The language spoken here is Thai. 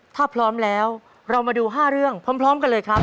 ถ้าพร้อมแล้วเรามาดู๕เรื่องพร้อมกันเลยครับ